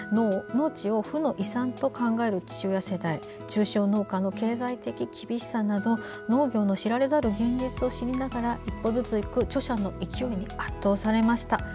農地を負の遺産と考える父親世代中小農家の経済的厳しさなど農業の知られざる現実を知りながら一歩ずつ行く著者の勢いに圧倒されました。